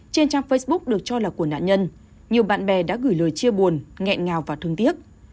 trên trang facebook được cho là của nạn nhân nhiều bạn bè đã gửi lời chia buồn nghẹn ngào và thương tiếc